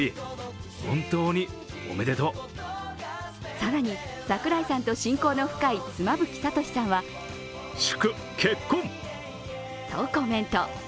更に、櫻井さんと親交の深い妻夫木聡さんはとコメント。